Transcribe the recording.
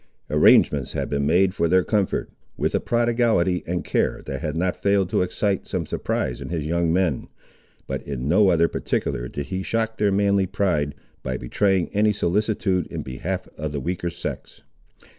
Arrangements had been made for their comfort, with a prodigality and care that had not failed to excite some surprise in his young men, but in no other particular did he shock their manly pride, by betraying any solicitude in behalf of the weaker sex.